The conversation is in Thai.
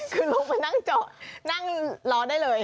คือลงไปนั่งเจาะนั่งรอได้เลย